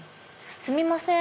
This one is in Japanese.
すみません！